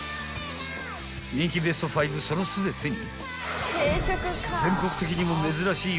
［人気ベスト５その全てに全国的にも珍しい］